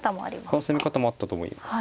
この攻め方もあったと思います。